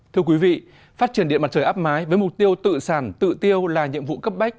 thưa quý vị phát triển điện mặt trời áp mái với mục tiêu tự sản tự tiêu là nhiệm vụ cấp bách